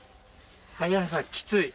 萩原さんきつい。